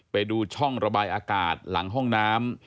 ไปดูช่องระบายอากาศหลังห้องน้ำ